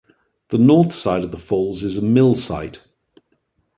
The north side of the falls is a millsite.